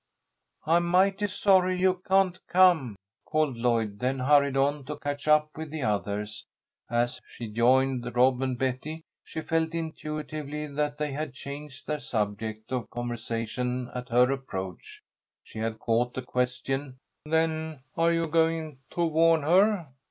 "I'm mighty sorry you can't come," called Lloyd, then hurried on to catch up with the others. As she joined Rob and Betty she felt intuitively they had changed their subject of conversation at her approach. She had caught the question, "Then are you going to warn her?"